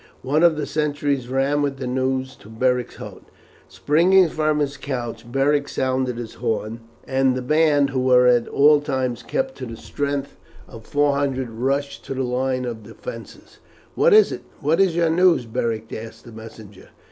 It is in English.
One of the sentries ran with the news to Beric's hut. Springing from his couch Beric sounded his horn, and the band, who were at all times kept to the strength of four hundred, rushed to the line of defences. "What is it? What is your news?" Beric asked the messenger.